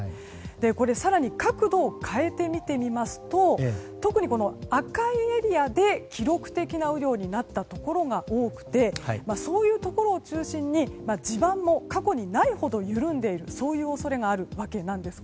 更に角度を変えてみてみますと特に赤いエリアで記録的な雨量になったところが多くてそういうところを中心に地盤も、過去にないほど緩んでいる恐れがあるわけですが